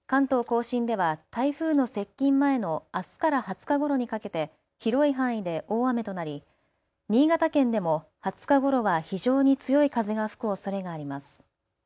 甲信では台風の接近前のあすから２０日ごろにかけて広い範囲で大雨となり新潟県でも２０日ごろは非常に強い風が吹くおそれがあります。